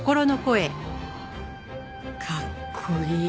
かっこいい！